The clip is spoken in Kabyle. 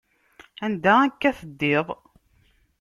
Anda akka teddiḍ?